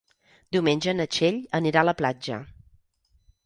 Diumenge na Txell anirà a la platja.